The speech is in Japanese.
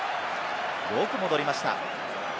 よく戻りました。